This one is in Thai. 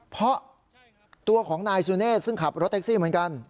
เพราะตัวของนายสุเนธซึ่งขับรถแท็กซี่เหมือนกัน